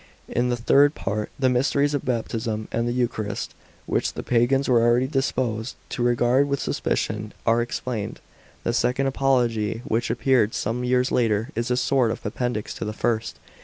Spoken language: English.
In the third part, the mysteries of baptism and the eucharist, which the pagans were always disposed to regard with suspicion, are explained. The second Apology, which appeared some years later, is a sort of appendix to the first.